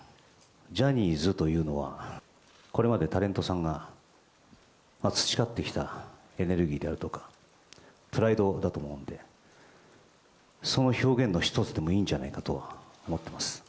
ジャニーズというのは、これまでタレントさんが培ってきたエネルギーであるとか、プライドだと思うんで、その表現の一つでもいいんじゃないかと思ってます。